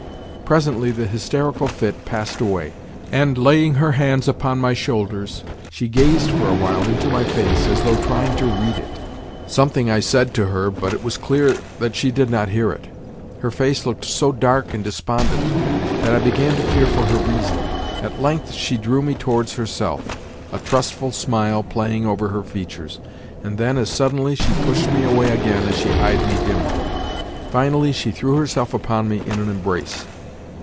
Presently the hysterical fit passed away, and, laying her hands upon my shoulders, she gazed for a while into my face, as though trying to read it—something I said to her, but it was clear that she did not hear it. Her face looked so dark and despondent that I began to fear for her reason. At length she drew me towards herself—a trustful smile playing over her features; and then, as suddenly, she pushed me away again as she eyed me dimly. Finally she threw herself upon me in an embrace.